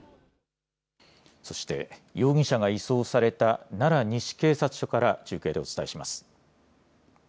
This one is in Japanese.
そして容疑者が移送された奈良西警察署から中継でお伝えします。